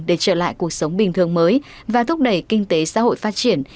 để trở lại cuộc sống bình thường mới và thúc đẩy kinh tế xã hội phát triển